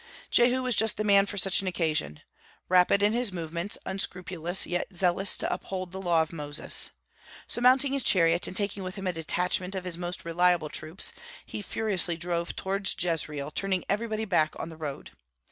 Jehu was just the man for such an occasion, rapid in his movements, unscrupulous, yet zealous to uphold the law of Moses. So mounting his chariot, and taking with him a detachment of his most reliable troops, he furiously drove toward Jezreel, turning everybody back on the road.